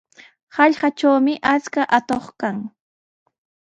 Hallqatrawmi achka atuq kan.